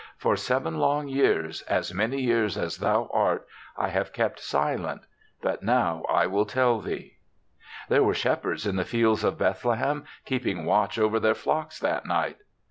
For seven long years, as many years as thou art, I have kept silent; but now I will tell thee. *VThere were shepherds in the fields of Bethlehem, keeping watch over their flocks that night.